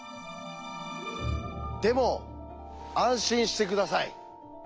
でも安心して下さい。